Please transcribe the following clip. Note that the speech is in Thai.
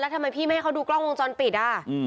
ทำไมพี่ไม่ให้เขาดูกล้องวงจรปิด